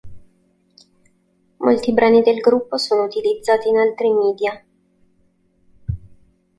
Molti brani del gruppo sono utilizzati in altri media.